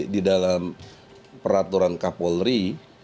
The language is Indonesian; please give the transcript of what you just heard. di dalam peraturan kapolri